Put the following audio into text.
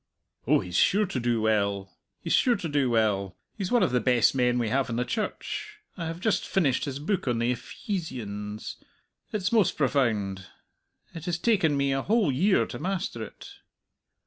"Oh, he's sure to do well, he's sure to do well! He's one of the best men we have in the Church. I have just finished his book on the Epheesians. It's most profound! It has taken me a whole year to master it."